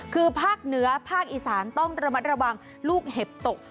คือภาคเหนือภาคอีสานต้องระมัดระวังลูกเห็บตก